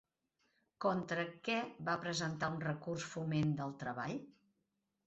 Contra què va presentar un recurs Foment del Treball?